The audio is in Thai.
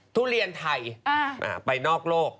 ทุเรียนไทยไปนอกโลก